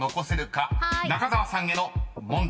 ［中澤さんへの問題］